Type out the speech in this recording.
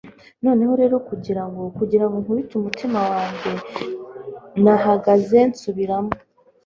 noneho rero, kugirango, kugirango nkubite umutima wanjye, nahagaze nsubiramo